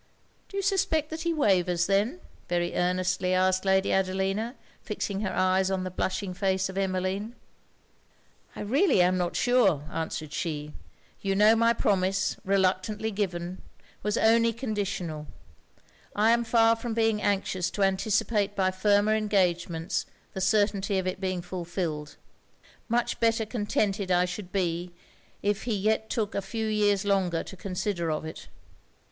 'Do you suspect that he wavers then?' very earnestly asked Lady Adelina, fixing her eyes on the blushing face of Emmeline. 'I really am not sure,' answered she 'you know my promise, reluctantly given, was only conditional. I am far from being anxious to anticipate by firmer engagements the certainty of it's being fulfilled; much better contented I should be, if he yet took a few years longer to consider of it.